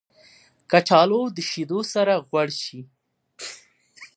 کچالو د شیدو سره غوړ شي